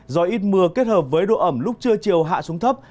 do ít mưa kết hợp với độ ẩm lúc trưa chiều hạ xuống thấp